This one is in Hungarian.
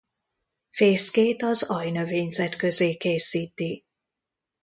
Fészkét az aljnövényzet közé készíti.